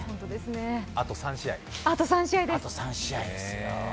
あと３試合ですよ。